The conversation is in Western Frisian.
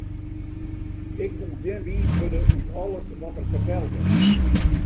Ik koe gjin wiis wurde út alles wat er fertelde.